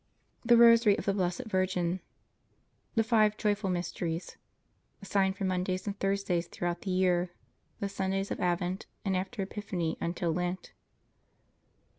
THE ROSARY OF THE BLESSED VIRGIN THE FIVE JOYFUL MYSTERIES (Assigned for Mondays and Thursdays throughout the year, the Sundays of Advent, and after Epiphany until Lent.)